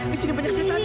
di sini banyak setan ya